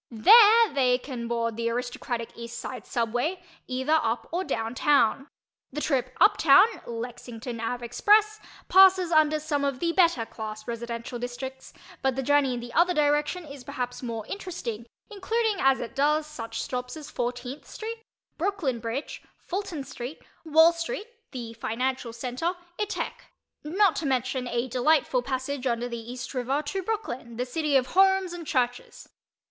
There they can board the aristocratic East Side Subway, either "up" or "down" town. The trip "up town" (Lexington Ave. Express) passes under some of the better class residential districts, but the journey in the other direction is perhaps more interesting, including as it does such stops as 14th St., Brooklyn Bridge, Fulton Street, Wall Street (the financial center) etc., not to mention a delightful passage under the East River to Brooklyn, the city of homes and churches.